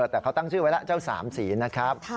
แต่เขาตั้งชื่อไว้แล้วเจ้าสามสีนะครับ